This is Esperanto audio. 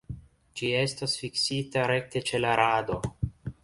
Ĝi estas fiksita rekte ĉe la rado.